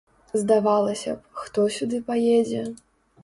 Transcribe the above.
Здавалася б, хто сюды паедзе?